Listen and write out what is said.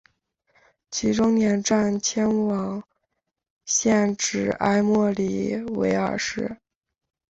其终点站迁往现址埃默里维尔市。